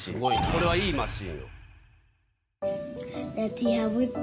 これはいいマシンよ。